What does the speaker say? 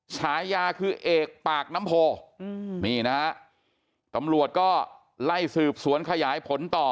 ฉายาคือเอกปากน้ำโพนี่นะฮะตำรวจก็ไล่สืบสวนขยายผลต่อ